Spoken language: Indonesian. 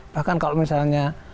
bahkan kalau misalnya